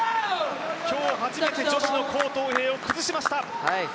今日初めて女子の黄東萍を崩しました。